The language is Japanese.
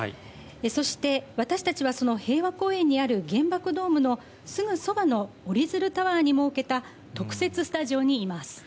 そして私達は今、平和公園にある原爆ドームのすぐそばのおりづるタワーに設けた特設スタジオにいます。